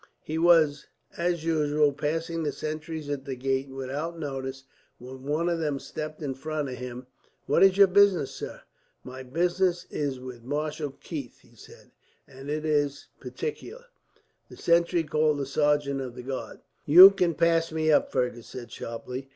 He was, as usual, passing the sentries at the gate without notice, when one of them stepped in front of him. "What is your business, sir?" "My business is with Marshal Keith," he said, "and it is particular." The sentry called a sergeant of the guard. "You can pass me up," Fergus said sharply.